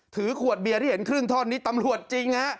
ถือขวดเบียร์ที่เห็นครึ่งท่อนนี้ตำรวจจริงฮะ